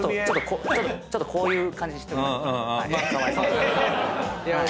ちょっとこういう感じにしておきます。